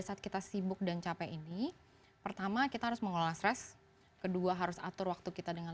saat kita sibuk dan capek ini pertama kita harus mengelola stres kedua harus atur waktu kita dengan